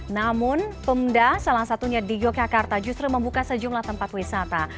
namun pemda salah satunya di yogyakarta justru membuka sejumlah tempat wisata